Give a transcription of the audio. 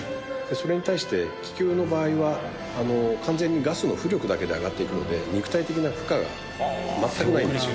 それに対して気球の場合は完全にガスの浮力だけで上がっていくので肉体的な負荷が全くないんです。